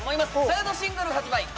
サードシングル発売